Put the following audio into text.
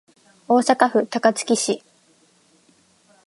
大阪府高槻市